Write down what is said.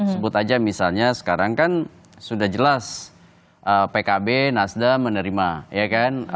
sebut aja misalnya sekarang kan sudah jelas pkb nasdem menerima ya kan